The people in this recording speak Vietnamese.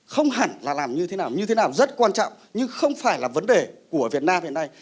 không hẳn là làm như thế nào như thế nào rất quan trọng nhưng không phải là vấn đề của việt nam hiện nay